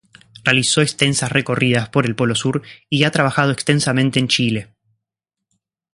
Realizó extensas recorridas por el Polo Sur y ha trabajado extensamente en Chile.